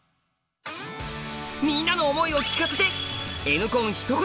みんなの思いを聞かせて！